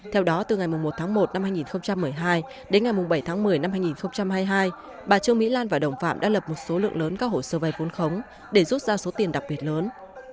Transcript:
theo đó từ ngày một tháng một năm hai nghìn một mươi hai đến ngày bảy tháng một mươi năm hai nghìn hai mươi hai bà trương mỹ lan và đồng phạm đã lập một số lượng lớn các hồ sơ vay vốn khống để rút ra số tiền đặc biệt lớn